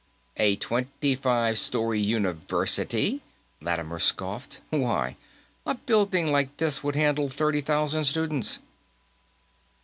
"A twenty five story university?" Lattimer scoffed. "Why, a building like this would handle thirty thousand students."